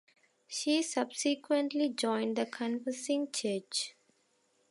She subsequently joined the Confessing Church.